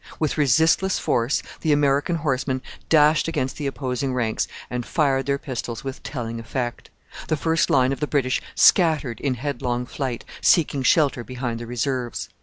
With resistless force the American horsemen dashed against the opposing ranks and fired their pistols with telling effect. The first line of the British scattered in headlong flight, seeking shelter behind the reserves.